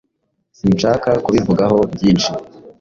Sinshaka kubivugaho byinshi.